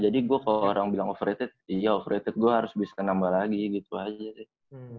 jadi gua kalo orang bilang overrated iya overrated gua harus bisa nambah lagi gitu aja sih